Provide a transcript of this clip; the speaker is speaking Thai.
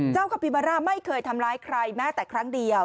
คาปิบาร่าไม่เคยทำร้ายใครแม้แต่ครั้งเดียว